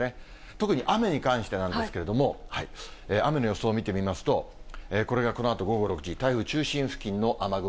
特に雨に関してなんですけれども、雨の予想を見てみますと、これがこのあと午後６時、台風中心付近の雨雲。